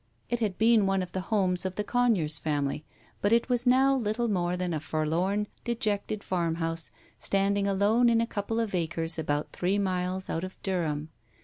It had been one of the homes of the Conyers family, but it was now little more than a forlorn, dejected farmhouse, standing alone in a couple of acres about three miles out of Durham.